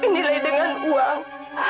dilai dengan uang